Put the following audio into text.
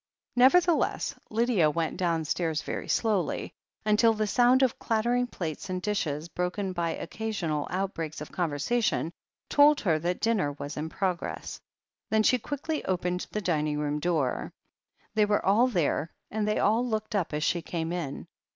Nevertheless, Lydia went downstairs very slowly, until the sound of clattering plates and dishes, broken by occasional outbreaks of conversation, told her that dinner was in progress. Then she quickly opened the dining room door. They were all there, and they all looked up as she came in.